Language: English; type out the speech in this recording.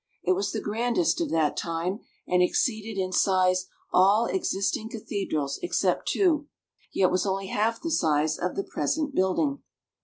It was the grandest of that time, and exceeded in size all existing cathedrals except two, yet was only half the size of the present building.